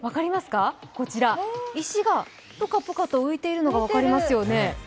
こちら、石がプクプカと浮いているのが分かりますよね？